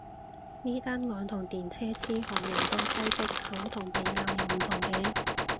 呢單案同電車痴漢人多擠迫口同鼻拗又唔同嘅